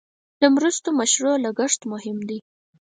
د مرستو مشروع لګښت مهم دی.